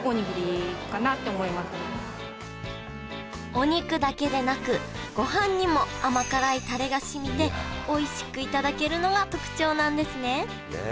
お肉だけでなくごはんにも甘辛いタレがしみておいしく頂けるのが特徴なんですねねえ